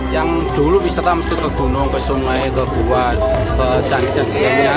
yang dulu wisata mesti ke gunung ke sumai ke buah ke jangkauan